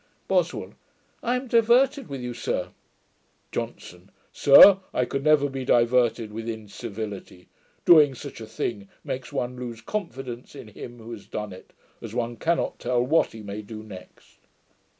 BOSWELL. 'I am diverted with you, sir.' JOHNSON. 'Sir, I could never be diverted with incivility. Doing such a thing, makes one lose confidence in him who has done it, as one cannot tell what he may do next.'